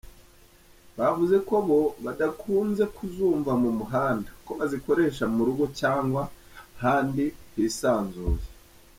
Bavuze ko bo badakunze kuzumva mu muhanda ko bazikoresha mu rugo cyangwa handi hisanzuye.